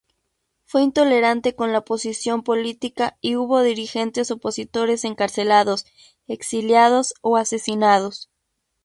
Fue intolerante con la oposición política y hubo dirigentes opositores encarcelados, exiliados o asesinados.